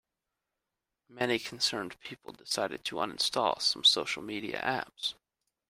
Many concerned people decided to uninstall some social media apps.